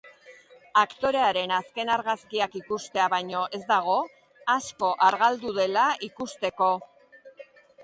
Aktorearen azken argazkiak ikustea baino ez dago asko argaldu dela ikusteko.